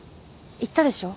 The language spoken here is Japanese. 言ったでしょ